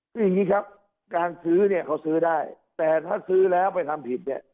คืออย่างนี้ครับการซื้อเนี่ยเขาซื้อได้แต่ถ้าซื้อแล้วไปทำผิดเนี่ย